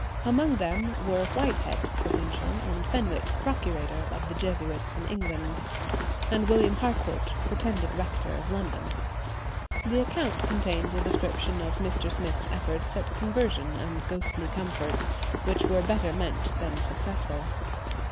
Among them were Whitehead, provincial, and Fenwick, procurator, of the Jesuits in England, and William Harcourt, pretended rector of London. The account contains a description of Mr. Smith's efforts at conversion and ghostly comfort, which were better meant than successful.